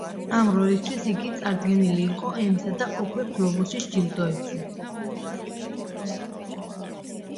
ამ როლისათვის იგი წარდგენილი იყო ემისა და ოქროს გლობუსის ჯილდოებზე.